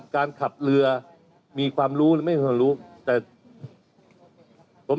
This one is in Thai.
การขับเรือมีความรู้ดูไม่มีความรู้